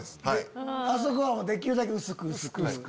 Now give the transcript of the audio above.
あそこはできるだけ薄く薄く。